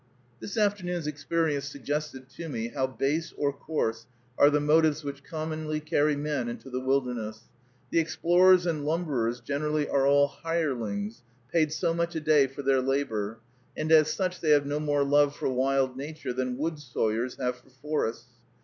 This afternoon's experience suggested to me how base or coarse are the motives which commonly carry men into the wilderness. The explorers and lumberers generally are all hirelings, paid so much a day for their labor, and as such they have no more love for wild nature than wood sawyers have for forests.